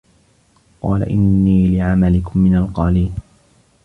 قالَ إِنّي لِعَمَلِكُم مِنَ القالينَ